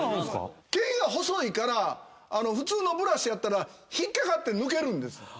毛ぇが細いから普通のブラシやったら引っ掛かって抜けるんです。